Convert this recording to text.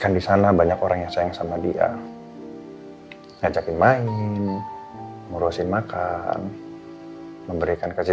kan di sana banyak orang yang sayang sama dia ngajakin main ngurusin makan memberikan kasih